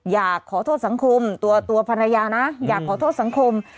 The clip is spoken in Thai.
อยากขอโทษสังคมตัวภรรยานะอยากขอโทษสังคม